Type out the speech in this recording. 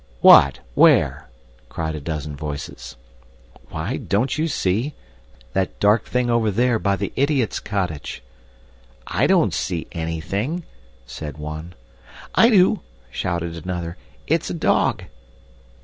"What? Where?" cried a dozen voices. "Why, don't you see? That dark thing over there by the idiot's cottage." "I don't see anything," said one. "I do," shouted another. "It's a dog."